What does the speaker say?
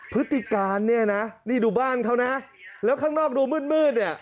พฤติการเนี่ยนะนี่ดูบ้านเขานะแล้วข้างนอกดูมืดเนี่ย